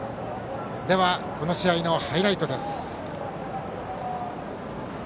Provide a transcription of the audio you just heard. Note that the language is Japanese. この試合のハイライトです。